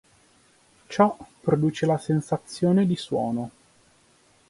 Ciò produce la sensazione di suono.